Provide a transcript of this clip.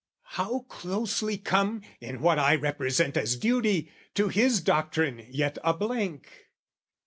"How closely come, in what I represent "As duty, to his doctrine yet a blank?